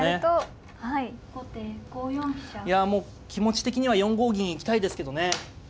いやもう気持ち的には４五銀行きたいですけどね。